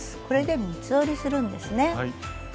これで三つ折りするんですね。